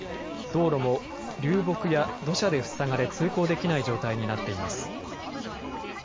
道路も流木や土砂で塞がれ通行できない状態になっています。